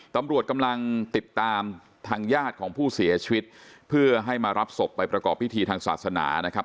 ตำรวจกำลังติดตามทางญาติของผู้เสียชีวิตเพื่อให้มารับศพไปประกอบพิธีทางศาสนานะครับ